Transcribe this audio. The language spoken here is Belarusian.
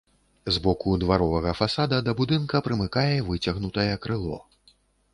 З боку дваровага фасада да будынка прымыкае выцягнутае крыло.